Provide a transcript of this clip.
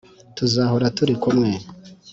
tuzahora turi kumwe